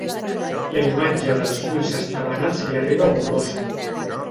La imatge dels ulls esbatanats li arriba borrosa.